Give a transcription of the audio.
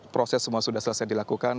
proses semua sudah selesai dilakukan